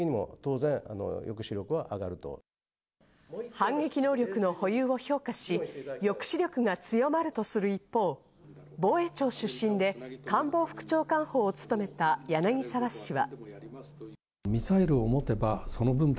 反撃能力の保有を強化し、抑止力が強まるとする一方、防衛庁出身で官房副長官補を務めた柳沢氏は。